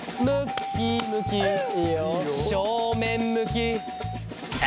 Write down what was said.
正面向きあ！